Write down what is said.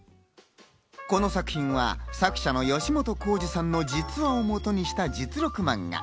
この作品は作者の吉本浩二さんの実話を基にした実録漫画。